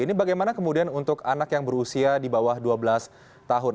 ini bagaimana kemudian untuk anak yang berusia di bawah dua belas tahun